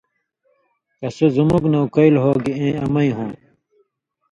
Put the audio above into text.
کہ سو زُمُک نہ اُکَیلوۡ ہو گی اېں امَیں ہوں